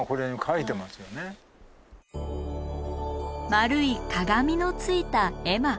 丸い鏡のついた絵馬。